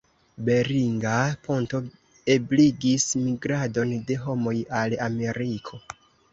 Beringa ponto ebligis migradon de homoj al Ameriko.